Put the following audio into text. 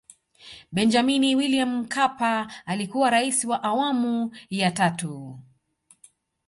Benjamini Wiliam Mkapa alikuwa Raisi wa awamu ya tatu